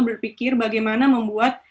berpikir bagaimana membuat